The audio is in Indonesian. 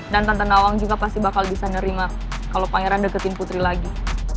dan tante nawang juga pasti bakal bisa nerima kalau pangeran deketin putri lagi